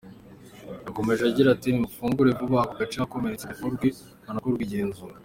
Yakomeje agira ati “ Nimufungure vuba ako gace abakomeretse bavurwe hanakorwe igenzura.